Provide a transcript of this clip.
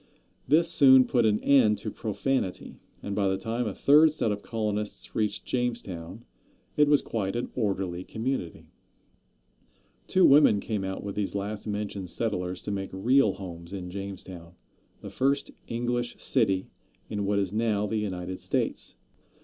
This soon put an end to profanity, and by the time a third set of colonists reached Jamestown it was quite an orderly community. [Illustration: Crowning Powhatan.] Two women came out with these last mentioned settlers to make real homes in Jamestown, the first English city in what is now the United States.